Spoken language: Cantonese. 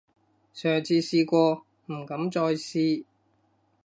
上次試過，唔敢再試